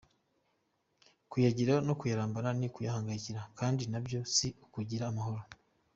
Kuyagira no kuyarambana ni ukuyahangayikira kandi nabyo si ukugira amahoro!.